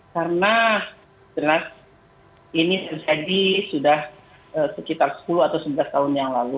karena ini terjadi sudah sekitar sepuluh atau sebelas tahun yang lalu